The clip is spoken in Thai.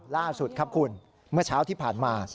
ล่าสุดครับคุณเมื่อเช้าที่ผ่านมา